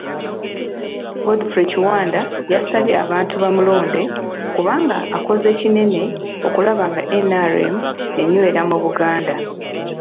Godfrey Kiwanda yasabye abantu bamulonde kubanga akoze kinene okulaba nga NRM enywera mu Buganda.